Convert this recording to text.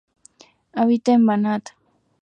Habita en Banat.